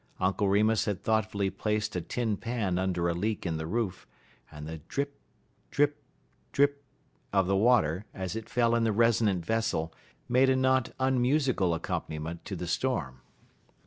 Uncle Remus had thoughtfully placed a tin pan under a leak in the roof, and the drip drip drip of the water, as it fell in the resonant vessel, made a not unmusical accompaniment to the storm.